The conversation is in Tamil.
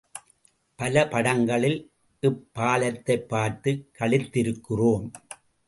பல படங்களில் இப்பாலத்தைப் பார்த்துக் களித்திருக்கிறோம்.